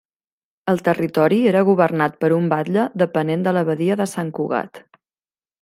El territori era governat per un batlle depenent de l’Abadia de Sant Cugat.